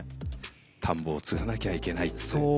田んぼを継がなきゃいけないって。